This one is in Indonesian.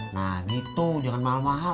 nah gitu jangan mahal mahal